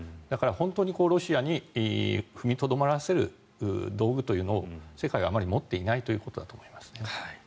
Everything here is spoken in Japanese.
だから、本当にロシアに踏みとどまらせる道具というのを世界はあまり持っていないということだと思います。